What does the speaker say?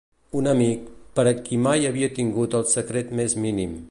Un amic, per a qui mai havia tingut el secret més mínim